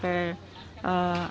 pupuk kimia itu lho pak